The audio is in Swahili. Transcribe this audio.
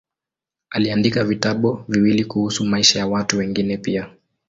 Aliandika vitabu viwili kuhusu maisha ya watu wengine pia.